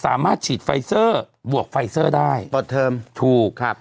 สามารถฉีดบวกได้เปิดเทิมถูกครับ